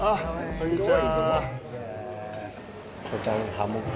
こんにちは。